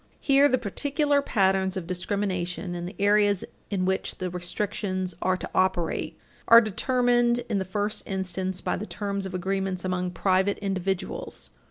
13 Here, the particular patterns of discrimination and the areas in which the restrictions are to operate are determined, in the first instance, by the terms of agreements among private individuals.